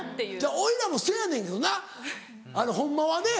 おいらもせやねんけどなホンマはね。